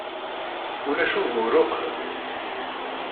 Ulac ugur akk.